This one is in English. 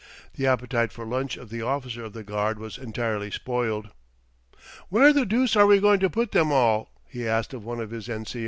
The appetite for lunch of the officer of the guard was entirely spoiled. "Where the deuce are we going to put them all," he asked of one of his N.C.O.'